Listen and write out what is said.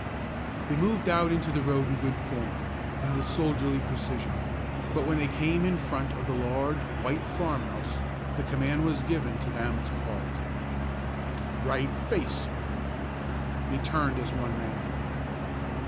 They moved out into the road in good form and with soldierly precision; but when they came in front of the large white farm house, the command was given to them to halt. "Right face!" They turned as one man.